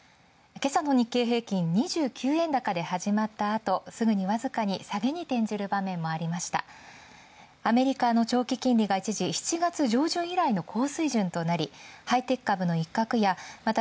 今朝の日経平均、２９円高で始まったあとすぐにわずかに下げに転じる場面もありました。